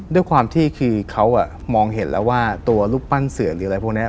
ด้วยความที่คือเขามองเห็นแล้วว่าตัวรูปปั้นเสือหรืออะไรพวกนี้